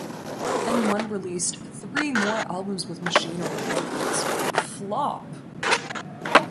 And One released three more albums with Machinery Records, Flop!